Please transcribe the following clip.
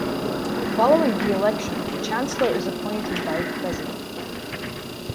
Following the election, the Chancellor is appointed by the President.